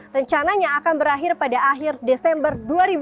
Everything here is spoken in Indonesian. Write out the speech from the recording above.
rencananya akan berakhir pada akhir desember dua ribu dua puluh